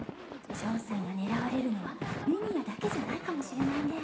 ジョンさんが狙われるのはリニアだけじゃないかもしれないね。